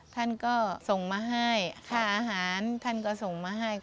ท่านก็ส่งมาให้ค่าอาหารท่านก็ส่งมาให้